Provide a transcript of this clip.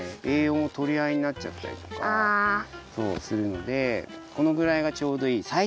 えいようもとりあいになっちゃったりとかするのでこのぐらいがちょうどいい。